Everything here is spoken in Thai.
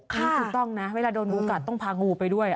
ถูกต้องนะเวลาโดนงูกัดต้องพางูไปด้วย